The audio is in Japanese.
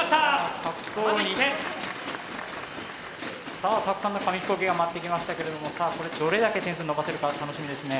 さあたくさんの紙飛行機が舞ってきましたけれどもさあこれどれだけ点数伸ばせるか楽しみですね。